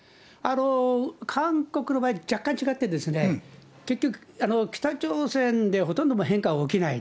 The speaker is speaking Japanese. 韓国の場合、若干違って、結局、北朝鮮でほとんど変化が起きない。